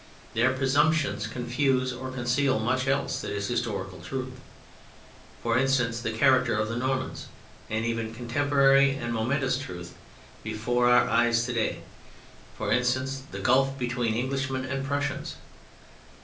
Their presumptions confuse or conceal much else that is historical truth: for instance, the character of the Normans; and even contemporary and momentous truth before our eyes today: for instance, the gulf between Englishmen and Prussians.